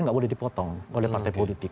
nggak boleh dipotong oleh partai politik